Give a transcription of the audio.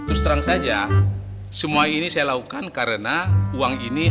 abah gak mau pusing lagi mi